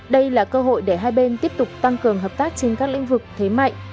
đây là cơ hội để hai bên tiếp tục tăng cường hợp tác trên các lĩnh vực thế mạnh